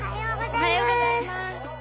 おはようございます。